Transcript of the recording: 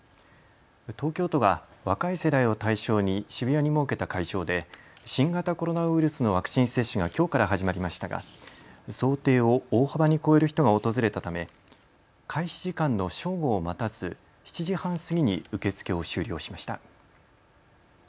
東京都が若い世代を対象に渋谷に設けた会場で新型コロナウイルスのワクチン接種がきょうから始まりましたが想定を大幅に超える人が訪れたため開始時間の正午を待たず７時半過ぎに受け付けを終了しました。